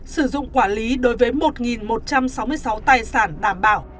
sử dụng quản lý đối với một một trăm sáu mươi sáu tài sản đảm bảo